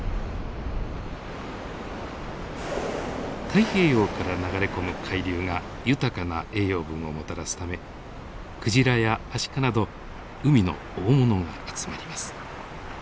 太平洋から流れ込む海流が豊かな栄養分をもたらすためクジラやアシカなど海の大物が集まります。